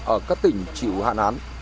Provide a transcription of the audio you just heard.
ở các tỉnh chịu hạn hán